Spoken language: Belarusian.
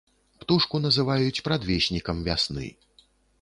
Птушку называюць прадвеснікам вясны.